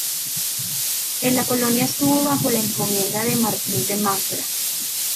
En la colonia estuvo bajo la encomienda de Martín de Mafra.